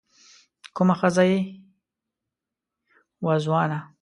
کومه ښځه يې وه ځوانه